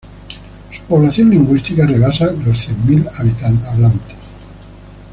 Su población lingüística rebasa los cien mil hablantes.